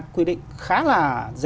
quy định khá là dễ